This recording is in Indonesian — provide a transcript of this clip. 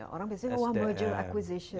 orang biasanya ngeluah merger acquisition